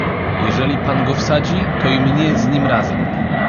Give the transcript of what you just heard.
"Jeżeli pan go wsadzi, to i mnie z nim razem."